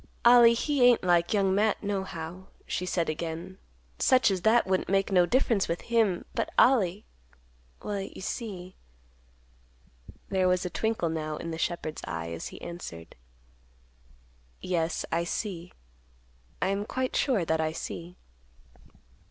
"Ollie he ain't like Young Matt, nohow," she said again. "Such as that wouldn't make no difference with him. But Ollie—well you see—" There was a twinkle, now, in the shepherd's eye, as he answered; "Yes, I see; I am quite sure that I see."